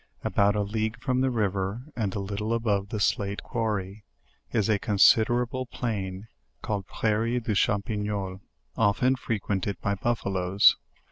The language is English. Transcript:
About a league from the river, and a lit tle above the slate quarry, is a considerable plain, called "Prairie de Champignole," often frequented by buffaloes.